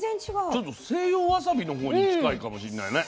ちょっと西洋わさびのほうに近いかもしんないね。